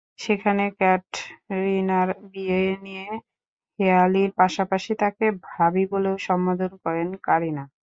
সেখানে ক্যাটরিনার বিয়ে নিয়ে হেঁয়ালির পাশাপাশি তাঁকে ভাবি বলেও সম্বোধন করেন কারিনা।